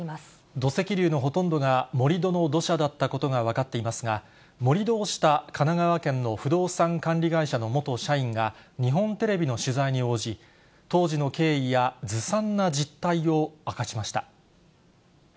土石流のほとんどが盛り土の土砂だったことが分かっていますが、盛り土をした神奈川県の不動産管理会社の元社員が、日本テレビの取材に応じ、当時の経緯やずさんな実態を明かしました。